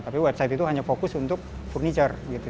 tapi website itu hanya fokus untuk furniture gitu